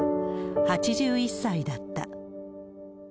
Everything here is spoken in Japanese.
８１歳だった。